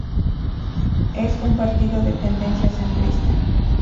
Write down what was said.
Es un partido de tendencia centrista.